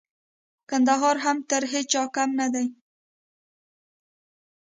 کندهار هم تر هيچا کم نه دئ.